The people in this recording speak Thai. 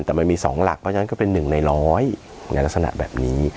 แต่มันมี๒หลักเพราะฉะนั้นก็เป็น๑ใน๑๐๐ในลักษณะแบบนี้